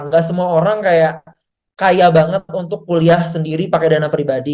nggak semua orang kayak kaya banget untuk kuliah sendiri pakai dana pribadi